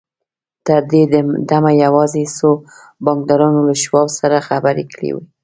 تر دې دمه یوازې څو بانکدارانو له شواب سره خبرې کړې وې